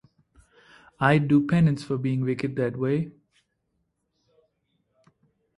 I’d do penance for being wicked that way.